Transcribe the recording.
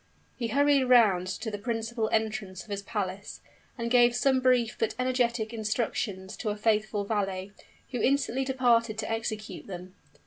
He hurried round to the principal entrance of his palace, and gave some brief but energetic instructions to a faithful valet, who instantly departed to execute them.